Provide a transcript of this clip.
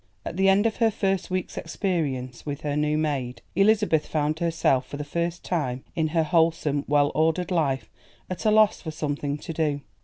At the end of her first week's experience with her new maid Elizabeth found herself for the first time in her wholesome, well ordered life at a loss for something to do.